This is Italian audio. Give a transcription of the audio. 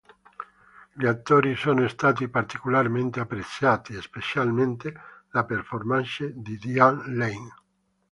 Gli attori sono stati particolarmente apprezzati, specialmente la performance di Diane Lane.